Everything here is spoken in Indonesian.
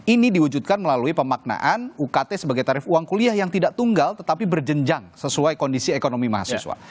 ini diwujudkan melalui pemaknaan ukt sebagai tarif uang kuliah yang tidak tunggal tetapi berjenjang sesuai kondisi ekonomi mahasiswa